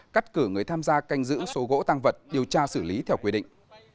cắt cử người tham gia canh giữ số gỗ tăng vật điều tra xử lý theo quy định